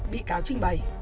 bị cáo trình bày